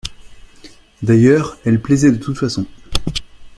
D'ailleurs elle plaisait de toutes façons.